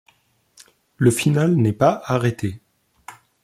Le final n'est pas arrêté.